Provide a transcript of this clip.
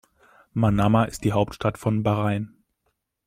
Manama ist die Hauptstadt von Bahrain.